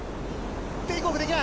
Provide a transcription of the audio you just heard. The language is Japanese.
テイクオフできない。